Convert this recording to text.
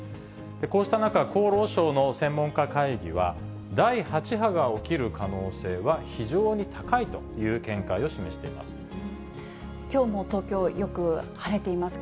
こうした中、厚労省の専門家会議は、第８波が起きる可能性は非常に高いという見解を示しています。